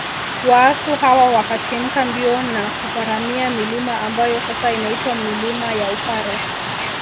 Waasu hawa wakatimka mbio na kuparamia milima ambayo sasa inaitwa milima ya Upare